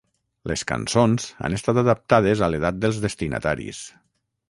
Les cançons han estat adaptades a l'edat dels destinataris.